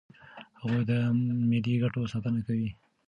هغوی د ملي ګټو ساتنه کوي.